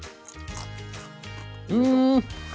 うん！